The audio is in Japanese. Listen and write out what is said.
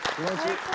最高。